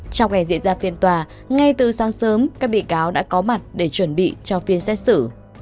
trong ngày diễn ra phiên tòa ngay từ sáng sớm các bị cáo đã có mặt để chuẩn bị cho phiên xét xử